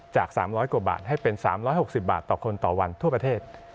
จาก๓๐๐กว่าบาทให้เป็น๓๖๐บาทต่อคนต่อวันทั่วประเทศ